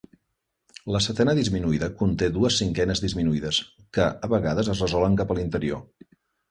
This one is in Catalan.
La setena disminuïda conté dues cinquenes disminuïdes, que a vegades es resolen cap a l'interior.